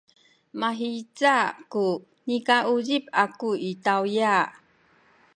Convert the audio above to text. mahiza ku nikauzip aku i tawya.